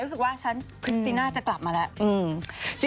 รู้สึกว่าฉันคริสติน่าจะกลับมาแล้ว